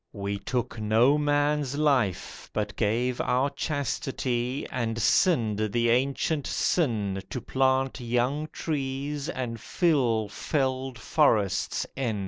We took no man's life but gave our chastity, And sinned the ancient sin To plant young trees and fill felled forests in.